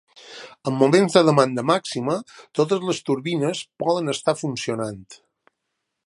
En moments de demanda màxima totes les turbines poden estar funcionant.